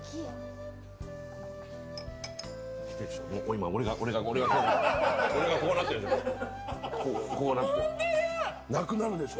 今、俺がこうなってるでしょ。